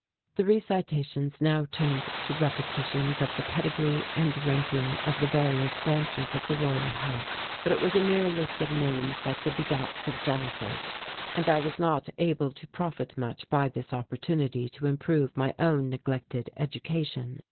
The recitations now turned to repetitions of the pedigree and ranking of the various branches of the Royal House. But it was a mere list of names like the begats of Genesis and I was not able to profit much by this opportunity to improve my own neglected education.